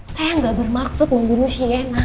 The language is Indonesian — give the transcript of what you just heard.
saya nggak bermaksud membunuh sienna